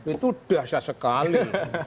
itu dahsyat sekali